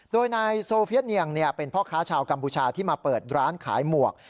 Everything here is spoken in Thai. โดยนายโซเฟียเนียงเป็นพ่อค้าชาวกัมพูชาที่มาเปิดร้านขายหมวก